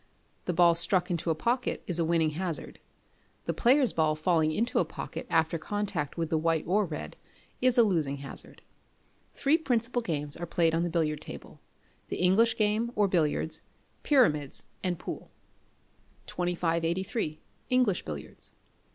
A ball struck into a pocket, is a winning hazard; the player's ball falling into a pocket after contact with the white or red, is a losing hazard. Three principal games are played on the billiard table the English game, or Billiards, Pyramids, and Pool. 2583. English Billiards.